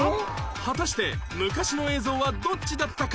果たして昔の映像はどっちだったか